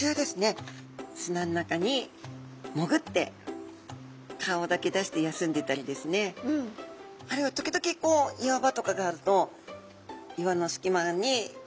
砂の中にもぐって顔だけ出して休んでたりですねあるいは時々こう岩場とかがあると岩のすきまにかくれて暮らしていたり。